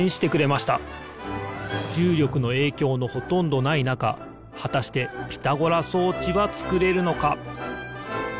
じゅうりょくのえいきょうのほとんどないなかはたしてピタゴラ装置はつくれるのか？